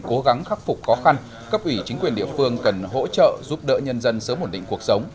cố gắng khắc phục khó khăn cấp ủy chính quyền địa phương cần hỗ trợ giúp đỡ nhân dân sớm ổn định cuộc sống